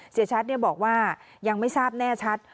เสียชัดบอกว่ายังไม่ทราบแน่ชัด